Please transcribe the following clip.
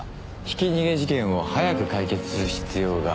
ひき逃げ事件を早く解決する必要がある。